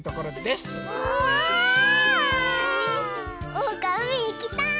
おうかうみいきたい！